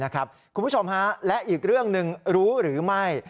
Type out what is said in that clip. คุณผู้ชมฮะและอีกเรื่องหนึ่งรู้หรือไม่